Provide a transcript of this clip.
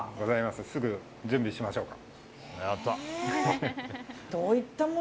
すぐ準備しましょうか。